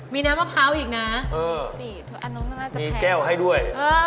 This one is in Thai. มีน้ำมะพร้าวอีกนะน่าจะมีแก้วให้ด้วย